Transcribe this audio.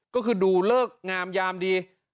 ก็คือดูเลิกงามยามดี